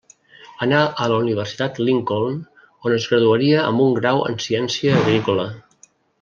Anà a la Universitat Lincoln on es graduaria amb un grau en ciència agrícola.